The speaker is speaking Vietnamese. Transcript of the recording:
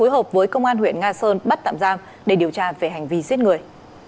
hợp với công an huyện nga sơn bắt tạm giam để điều tra về hành vi giết người